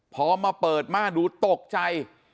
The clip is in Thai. พอมาเปิดม่าดูตกใจ